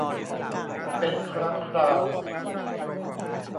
เป็นครั้งคราว